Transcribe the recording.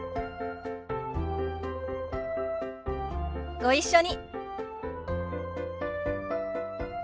ご一緒に。